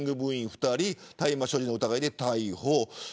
２人大麻所持の疑いで逮捕。